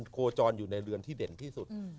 โคจรอยู่ในเรือนที่เด่นที่สุด